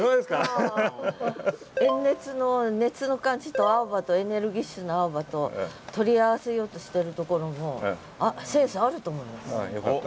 炎熱の熱の感じと青葉とエネルギッシュな青葉と取り合わせようとしてるところもああよかった。